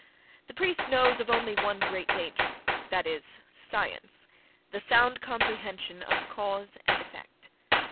—The priest knows of only one great danger: that is science—the sound comprehension of cause and effect.